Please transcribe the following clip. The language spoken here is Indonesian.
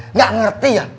nggak ngerti ya